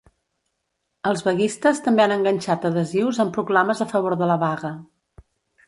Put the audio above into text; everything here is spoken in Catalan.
Els vaguistes també han enganxat adhesius amb proclames a favor de la vaga.